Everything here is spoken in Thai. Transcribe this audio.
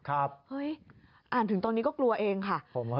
อ่านถึงตรงนี้ก็กลัวเองค่ะ